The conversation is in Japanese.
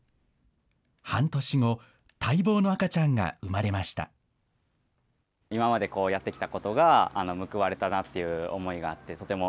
半年後、待望の赤ちゃんが生まれました。